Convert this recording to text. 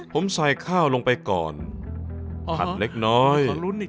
ผมใส่ข้าวลงไปก่อนผัดเล็กน้อย